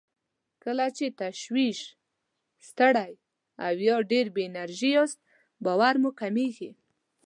کله چې تشویش، ستړی او يا ډېر بې انرژي ياست باور مو کمېږي.